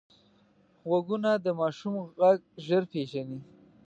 غوږونه د ماشوم غږ ژر پېژني